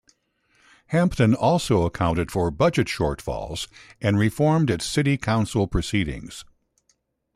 Hampton also accounted for budget shortfalls, and reformed its city council proceedings.